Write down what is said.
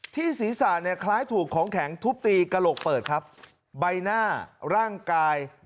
ศีรษะเนี่ยคล้ายถูกของแข็งทุบตีกระโหลกเปิดครับใบหน้าร่างกาย